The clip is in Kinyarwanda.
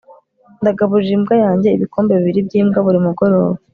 ndagaburira imbwa yanjye ibikombe bibiri byimbwa buri mugoroba